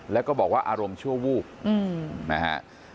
แล้วก็บอกว่าอารมณ์ชั่ววูบนะฮะ